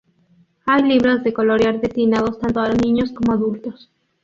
Hay libros de colorear destinados tanto a niños como adultos.